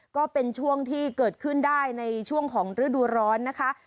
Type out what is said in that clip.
ก็เป็นช่วงที่เกิดขึ้นได้ในช่วงของฤดูร้อนนะคะ